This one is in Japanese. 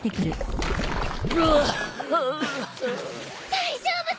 大丈夫さ。